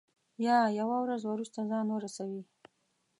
یا یوه ورځ وروسته ځان ورسوي.